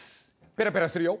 ペラペラするよ。